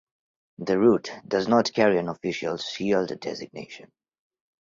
The route does not carry an official shield designation.